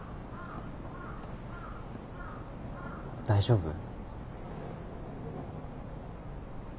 大丈夫？